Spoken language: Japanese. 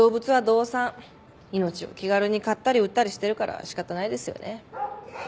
命を気軽に買ったり売ったりしてるから仕方ないですよね。